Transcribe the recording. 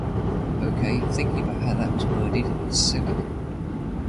Ok, thinking about how that was worded, it's silly.